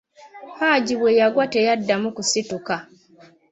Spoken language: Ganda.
Haji bwe yagwa teyaddamu kusituka.